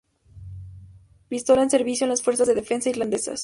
Pistola en servicio en las Fuerzas de Defensa Irlandesas.